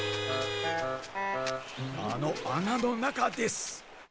あの穴の中です。